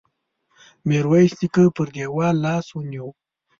ميرويس نيکه پر دېوال لاس ونيو.